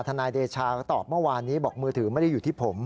นายเดชาก็ตอบเมื่อวานนี้บอกมือถือไม่ได้อยู่ที่ผม